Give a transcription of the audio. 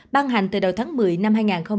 ban hành từ đầu tháng một mươi năm hai nghìn hai mươi